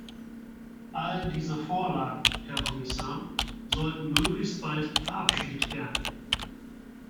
All diese Vorlagen, Herr Kommissar, sollten möglichst bald verabschiedet werden.